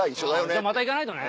「じゃあまた行かないとね」。